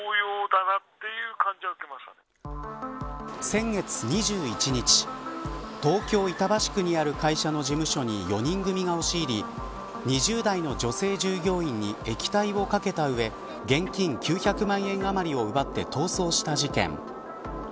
先月２１日東京、板橋区にある会社の事務所に４人組が押し入り２０代の女性従業員に液体をかけた上現金９００万円余りを奪って逃走した事件。